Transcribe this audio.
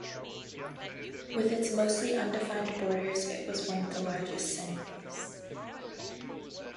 With its mostly undefined borders, it was one of the largest seigneuries.